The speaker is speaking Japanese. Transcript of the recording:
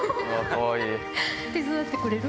手伝ってくれる？